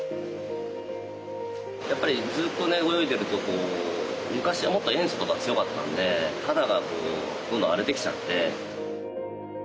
やっぱりずっとね泳いでるとこう昔はもっと塩素とか強かったんで肌がどんどん荒れてきちゃって。